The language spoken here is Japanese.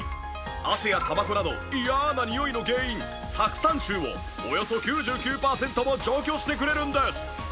汗やタバコなど嫌なにおいの原因酢酸臭をおよそ９９パーセントも除去してくれるんです。